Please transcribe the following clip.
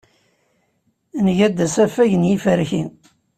Nga-d asafag n yiferki.